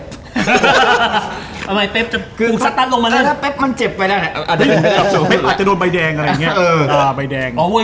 ทำไมเป๊บจะถ้าเป๊บมันเจ็บไปแล้วเป๊บอาจจะโดนใบแดงอะไรอย่างเงี้ย